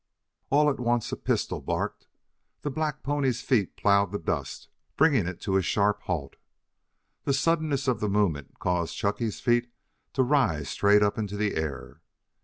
All at once a pistol barked, the black pony's feet plowed the dust, bringing it to a sharp halt. The suddenness of the movement caused Chunky's feet to rise straight up into the air.